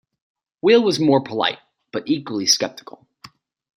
Will was more polite, but equally sceptical.